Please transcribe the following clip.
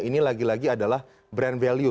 ini lagi lagi adalah brand value